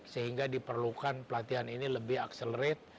sehingga diperlukan pelatihan ini lebih akselerate